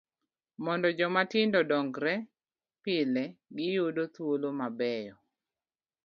Mondo joma tindo odongre, pile giyudo thuolo mabeyo.